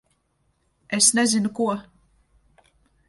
Es nezinu ko...